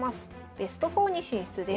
ベスト４に進出です。